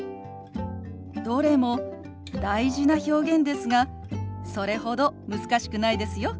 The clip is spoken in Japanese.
どれも大事な表現ですがそれほど難しくないですよ。